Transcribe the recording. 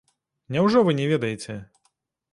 Няўжо вы не ведаеце?